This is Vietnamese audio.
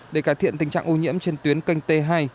để cải thiện tình trạng ô nhiễm trên tuyến canh t hai